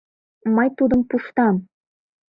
Мый тудым пуштам!